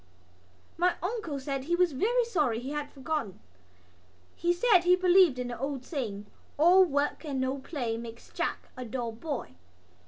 My uncle said he was very sorry he had forgotten. He said he believed in the old saying: "All work and no play makes Jack a dull boy."